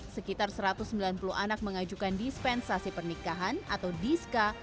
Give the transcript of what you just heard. sekitar satu ratus sembilan puluh anak mengajukan dispensasi pernikahan atau diska